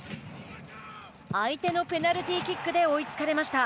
相手のペナルティーキックで追いつかれました。